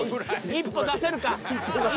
１歩出せるか？